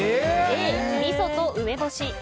Ａ、みそと梅干し。